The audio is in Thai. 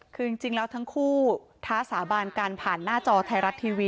คือจริงแล้วทั้งคู่ท้าสาบานกันผ่านหน้าจอไทยรัฐทีวี